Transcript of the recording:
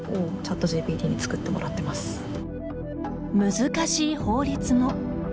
難しい法律も。